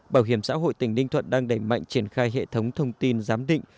bảo hiểm xã hội tỉnh ninh thuận đang đẩy mạnh triển khai hệ thống thông tin giám định